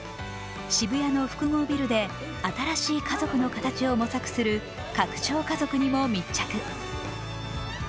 渋谷の複合ビルで新しい家族の形を模索する「拡張家族」にも密着。